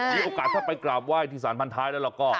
มีโอกาสถ้าไปกราบไหว้ที่สารพันท้ายแล้วเราก็